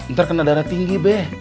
ntar kena darah tinggi beh